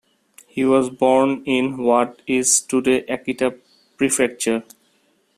He was born in what is today Akita Prefecture.